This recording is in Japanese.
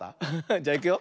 じゃいくよ。